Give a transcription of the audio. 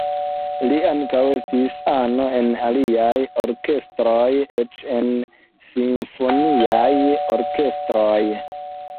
Li ankaŭ estis ano en aliaj orkestroj, eĉ en simfoniaj orkestroj.